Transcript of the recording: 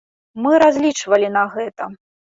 Мы разлічвалі на гэта.